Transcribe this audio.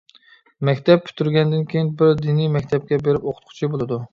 مەكتەپ پۈتتۈرگەندىن كېيىن بىر دىنىي مەكتەپكە بېرىپ ئوقۇتقۇچى بولىدۇ.